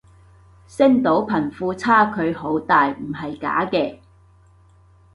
星島貧富差距好大唔係假嘅